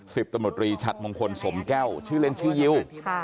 สิบตำรวจรีชัดมงคลสมแก้วชื่อเล่นชื่อยิว